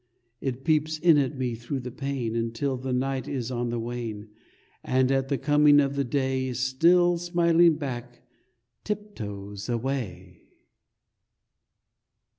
It peeps in at me through the pane Until the night is on the wane, And at the coming of the day, Still smiling back, tiptoes away.